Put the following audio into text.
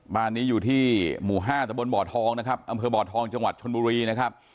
บ้านนี้อยู่ที่หมู่๕ตะบนบ่อทองนะครับอำเภอบ่อทองจังหวัดชนบุรีนะครับ